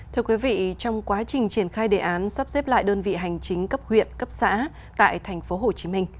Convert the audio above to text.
thưa quý vị trong quá trình triển khai đề án sắp xếp lại đơn vị hành chính cấp huyện cấp xã tại tp hcm